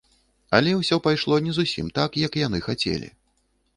Але ўсё пайшло не зусім так, як яны хацелі.